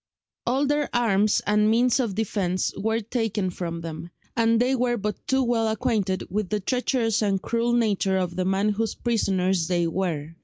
All their arms and means of defence were taken from them, and they were but too well acquainted with the treacherous and cruel nature of the man whose prisoners they were.